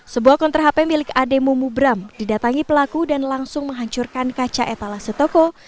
sebuah konter hp milik ade mumubram didatangi pelaku dan langsung menghancurkan kaca etala setokoi